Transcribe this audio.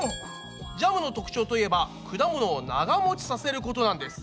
ジャムの特徴といえば果物を長もちさせることなんです。